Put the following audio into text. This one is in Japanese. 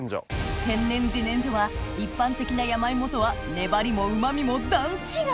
天然自然薯は一般的な山芋とは粘りもうま味も段違い！